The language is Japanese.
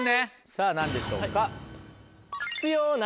さぁ何でしょうか？